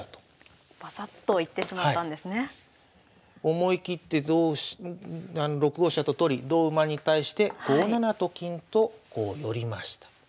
思い切って６五飛車と取り同馬に対して５七と金と寄りました。